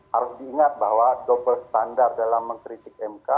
harus diingat bahwa double standard dalam mengkritik mk